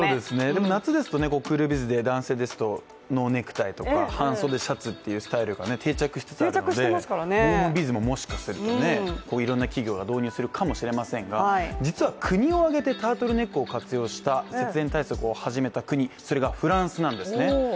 でも夏ですとクールビズで男性ですとノーネクタイとか半袖シャツというスタイルが定着しつつあるのでウォームビズももしかするといろんな企業が導入するかもしれませんが実は国を挙げてタートルネックを活用した節電対策を始めた国、それがフランスなんですね。